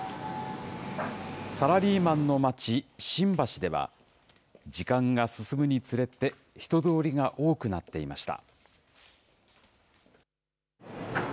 サラリーマンの街、新橋では、時間が進むにつれて、人通りが多くなっていました。